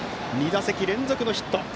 ２打席連続のヒット。